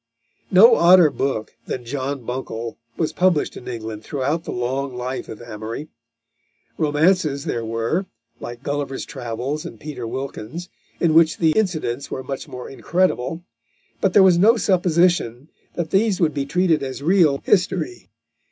No odder book than John Buncle was published in England throughout the long life of Amory. Romances there were, like Gulliver's Travels and Peter Wilkins, in which the incidents were much more incredible, but there was no supposition that these would be treated as real history.